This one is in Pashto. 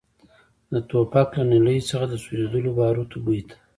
د ټوپک له نلۍ څخه د سوځېدلو باروتو بوی ته.